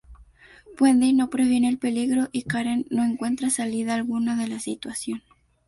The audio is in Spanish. Wendy no previene el peligro y Karen no encuentra salida alguna de la situación.